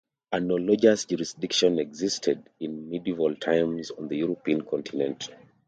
Analogous jurisdiction existed in medieval times on the European Continent.